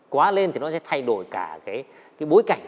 quá lên thì nó sẽ thay đổi cả cái bối cảnh